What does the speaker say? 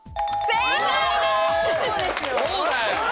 正解です。